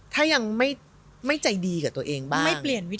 ถ้ายังไม่ใจดีกับตัวเองบ้าง